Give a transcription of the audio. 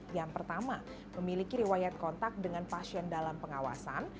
yang pertama memiliki riwayat kontak dengan pasien dalam pengawasan